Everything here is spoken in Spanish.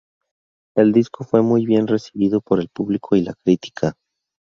El disco fue muy bien recibido por el público y la crítica.